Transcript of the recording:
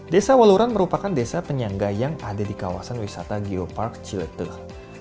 desa waluran merupakan desa penyangga yang ada di kawasan wisata geopark ciletul